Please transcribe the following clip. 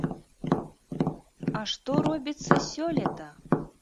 А што робіцца сёлета!